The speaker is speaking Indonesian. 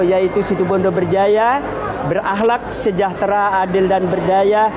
yaitu situbondo berjaya berahlak sejahtera adil dan berdaya